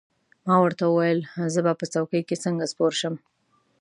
ما ورته وویل: زه به په څوکۍ کې څنګه سپور شم؟